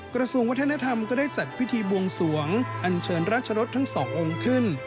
กระทรวงวัฒนธรรมก็ได้จัดพิธีบวงสวงอันเชิญราชรสทั้งสององค์ขึ้น